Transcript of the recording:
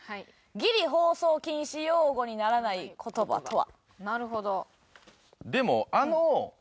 ギリ放送禁止用語にならない言葉とは？